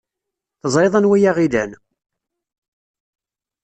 Teẓriḍ anwa ay aɣ-ilan.